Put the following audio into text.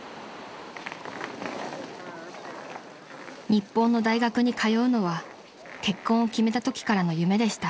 ［日本の大学に通うのは結婚を決めたときからの夢でした］